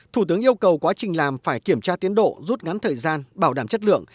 thủ tướng yêu cầu quá trình làm phải kiểm tra tiến độ rút ngắn thời gian bảo đảm chất lượng